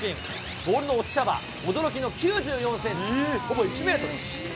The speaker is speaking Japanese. ボールの落ち幅、驚きの９４センチ、ほぼ１メートル。